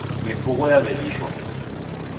Mifugho yaw'elishwa.